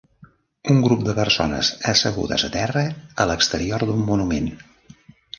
un grup de persones assegudes a terra a l'exterior d'un monument.